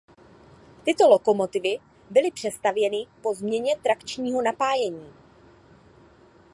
Tyto lokomotivy byly přestavěny po změně trakčního napájení.